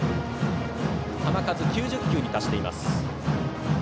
球数は９０球に達しています。